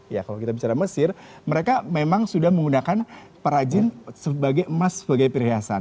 ya kalau kita bicara mesir mereka memang sudah menggunakan perajin sebagai emas sebagai perhiasan